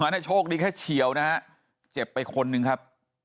โชคดีแค่เฉียวนะฮะเจ็บไปคนหนึ่งครับ